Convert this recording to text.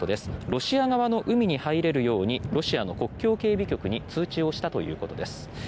ロシア側の海に入れるようにロシアの国境警備局に通知をしたということです。